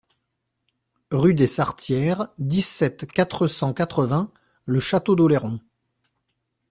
Rue des Sartières, dix-sept, quatre cent quatre-vingts Le Château-d'Oléron